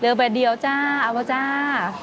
เรียกแบบเดียวจ้าเอาไว้จ้า